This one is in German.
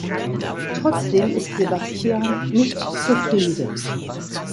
Trotzdem ist Sebastian nicht zufrieden.